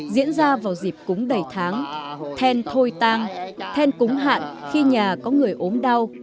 diễn ra vào dịp cúng đầy tháng then thôi tang then cúng hạn khi nhà có người ốm đau